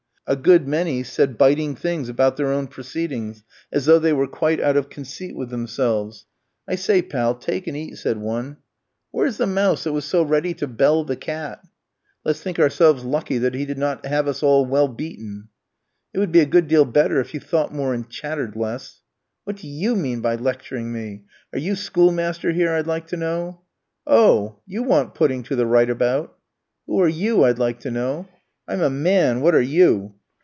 A good many said biting things about their own proceedings as though they were quite out of conceit with themselves. "I say, pal, take and eat!" said one. "Where's the mouse that was so ready to bell the cat?" "Let's think ourselves lucky that he did not have us all well beaten." "It would be a good deal better if you thought more and chattered less." "What do you mean by lecturing me? Are you schoolmaster here, I'd like to know?" "Oh, you want putting to the right about." "Who are you, I'd like to know?" "I'm a man! What are you?"